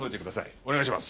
お願いします。